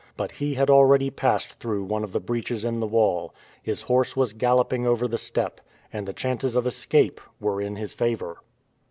But he had already passed through one of the breaches in the wall; his horse was galloping over the steppe, and the chances of escape were in his favor.